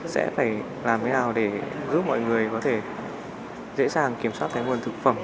sẽ phải làm thế nào để giúp mọi người có thể dễ dàng kiểm soát cái nguồn thực phẩm